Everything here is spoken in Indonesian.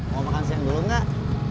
mau makan siang dulu nggak